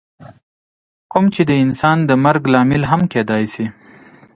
کوم چې انسان د مرګ لامل هم کیدی شي.